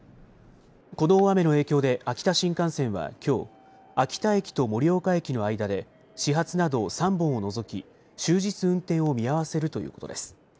この大雨の影響で秋田新幹線はきょう、秋田駅と盛岡駅の間で始発など３本を除き終日、運転を見合わせるということです。